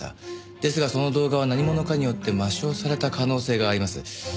ですがその動画は何者かによって抹消された可能性があります。